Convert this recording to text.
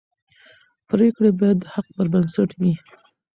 پرېکړې باید د حق پر بنسټ وي